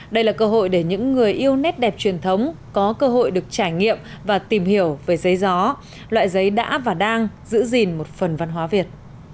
đây là cơ hội để những người yêu nét đẹp truyền thống có cơ hội được trải nghiệm và tìm hiểu về giấy gió loại giấy đã và đang giữ gìn một phần văn hóa việt